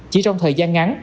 chỉ trong thời gian ngắn